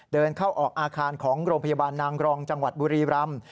เดินเข้าออกอาคารของโรงพยาบาลนางกรองจังหวัดบุรีรำ